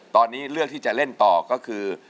ตอนนี้เลือกที่จะเล่นต่อก็คือ